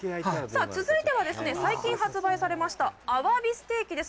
続いては、最近発売されましたアワビステーキです。